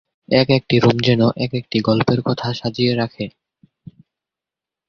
এক একটি রুম যেনো এক একটি গল্পের কথা সাজিয়ে রাখে।